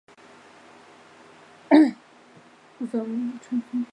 部分房屋屋顶的木瓦被风吹飞。